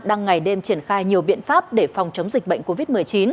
đang ngày đêm triển khai nhiều biện pháp để phòng chống dịch bệnh covid một mươi chín